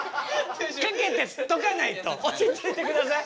かけてとかないと落ち着いてください。